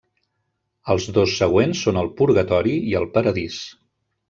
Els dos següents són el Purgatori i el Paradís.